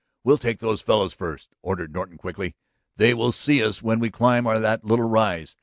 "We'll take those fellows first," ordered Norton quickly. "They will see us when we climb that little rise.